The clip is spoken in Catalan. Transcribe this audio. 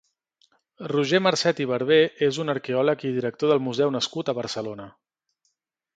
Roger Marcet i Barbé és un arqueòleg i director de museu nascut a Barcelona.